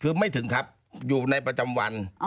คือไม่ถึงครับอยู่ในประจำวัน